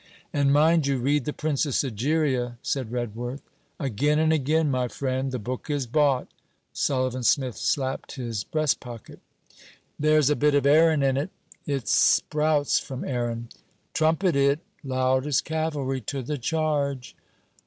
'And mind you read THE PRINCESS EGERIA,' said Redworth. 'Again and again, my friend. The book is bought.' Sullivan Smith slapped his breastpocket. 'There's a bit of Erin in it.' 'It sprouts from Erin.' 'Trumpet it.' 'Loud as cavalry to the charge!'